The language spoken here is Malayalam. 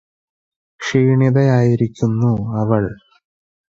ക്ഷീണിതയായിരിക്കുന്നു അവൾ